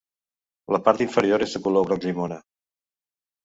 La part inferior és de color groc llimona.